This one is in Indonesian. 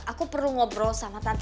aku perlu ngobrol sama tante